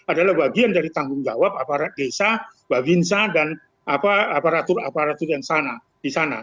adalah bagian dari tanggung jawab aparat desa babinsa dan aparatur aparatur yang di sana